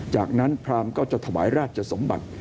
จากนั้นพรามก็จะถวายราชสมบัติ